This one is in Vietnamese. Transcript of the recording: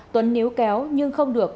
tuấn níu kéo nhưng không được